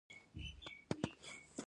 امريکايانو پر دې کلي هم بمان غورځولي وو.